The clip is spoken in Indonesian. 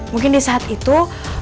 mungkin di saat itu